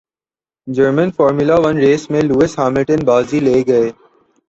German Formula One race میں Lewis Hamilton بازی لے گئے